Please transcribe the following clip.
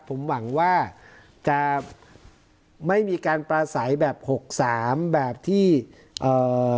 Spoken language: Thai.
ผมหวังว่าจะไม่มีการปลาใสแบบหกสามแบบที่เอ่อ